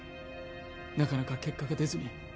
なかなか結果が出ずに